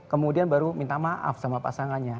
kemudian baru minta maaf sama pasangannya